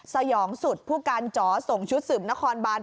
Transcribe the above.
สยองสุดผู้การจ๋อส่งชุดสืบนครบาน